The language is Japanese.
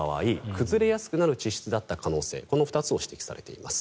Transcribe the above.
崩れやすくなる地質だった可能性この２つを指摘されています。